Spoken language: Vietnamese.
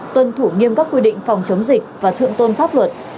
tuân thủ nghiêm các quy định phòng chống dịch và thượng tôn pháp luật